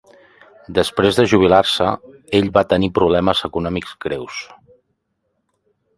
Després de jubilar-se, ell va tenir problemes econòmics greus.